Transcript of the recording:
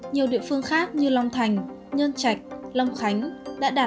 nhiều địa phương khác như long thành nhơn trạch long khánh đã đạt một trăm linh